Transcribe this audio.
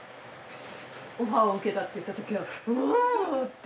オファーを受けたって言ったときはおって。